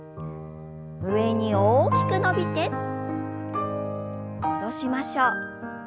上に大きく伸びて戻しましょう。